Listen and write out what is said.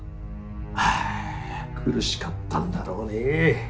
はあ苦しかったんだろうねえ。